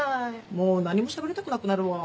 もう何もしゃべりたくなくなるわ。